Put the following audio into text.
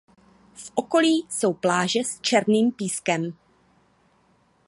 V okolí jsou pláže s černým pískem.